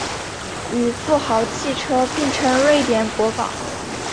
与富豪汽车并称瑞典国宝。